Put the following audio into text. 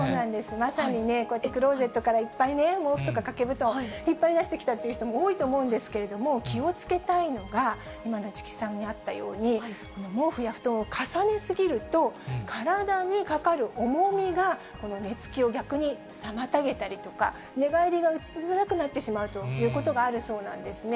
まさにね、こうやってクローゼットからいっぱい毛布とか掛け布団を引っ張り出してきたという人も多いと思うんですけれども、気をつけたいのが今の市來さんにあったように、毛布や布団を重ねすぎると、体にかかる重みが、寝つきを逆に妨げたりとか、寝返りが打ちづらくなってしまうということがあるそうなんですね。